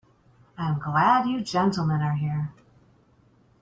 I'm glad you gentlemen are here.